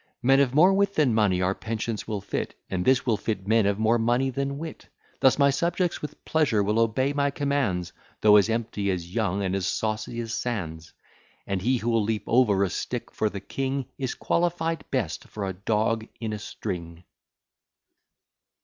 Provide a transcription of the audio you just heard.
Men of more wit than money our pensions will fit, And this will fit men of more money than wit. Thus my subjects with pleasure will obey my commands, Though as empty as Younge, and as saucy as Sandes And he who'll leap over a stick for the king, Is qualified best for a dog in a string.